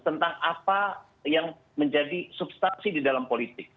tentang apa yang menjadi substansi di dalam politik